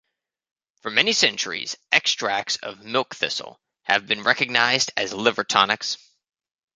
For many centuries extracts of milk thistle have been recognized as liver tonics.